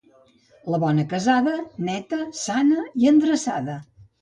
La bona casada, neta, sana i endreçada.